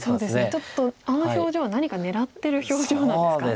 ちょっとあの表情は何か狙ってる表情なんですか？